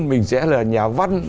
mình sẽ là nhà văn